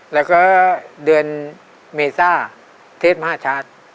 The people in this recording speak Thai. แล้วก็เดือนเมษาเทศมหาชาติ